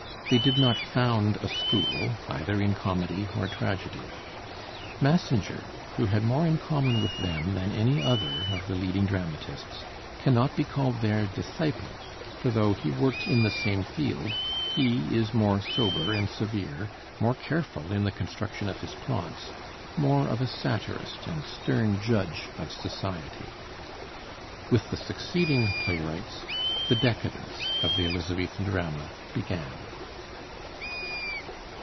They did not found a school either in comedy or tragedy. Massinger, who had more in common with them than any other of the leading dramatists, cannot be called their disciple; for though he worked in the same field, he is more sober and severe, more careful in the construction of his plots, more of a satirist and stern judge of society. With the succeeding playwrights the decadence of the Elizabethan drama began.